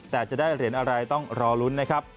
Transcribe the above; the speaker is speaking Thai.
แต่จะได้เหรียญอะไรต้องรอลุ้นนะครับ